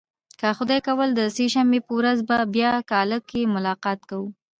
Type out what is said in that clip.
که خدای کول د سه شنبې په ورځ به بیا کالم کې ملاقات کوو.